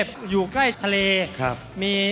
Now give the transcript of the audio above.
มาเยือนทินกระวีและสวัสดี